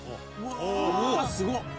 「うわー！すごっ！」